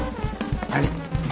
何？